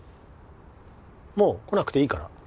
もう来なくていいから。